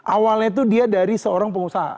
awalnya itu dia dari seorang pengusaha